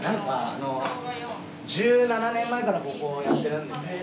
１７年前からここやってるんですね。